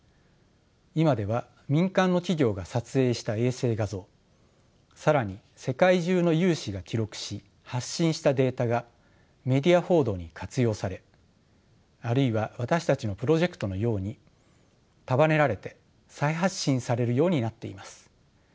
いまでは民間の企業が撮影した衛星画像さらに世界中の有志が記録し発信したデータがメディア報道に活用されあるいは私たちのプロジェクトのように束ねられて再発信されるようになっています。